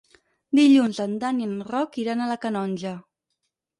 Dilluns en Dan i en Roc iran a la Canonja.